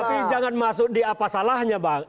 tapi jangan masuk di apa salahnya bang